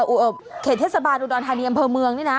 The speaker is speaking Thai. เขียนเทศบาลอุดรฐานียมเผอร์เมืองนี่นะ